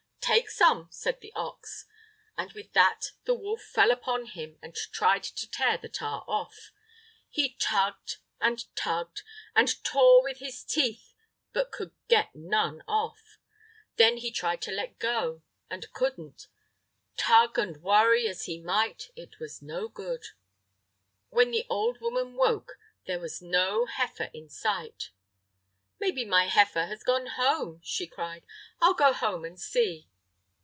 "Take some," said the ox. And with that the wolf fell upon him and tried to tear the tar off. He tugged and tugged, and tore with his teeth, but could get none off. Then he tried to let go, and couldn't; tug and worry as he might, it was no good. When the old woman woke, there was no heifer in sight. "Maybe my heifer has gone home!" she cried; "I'll go home and see."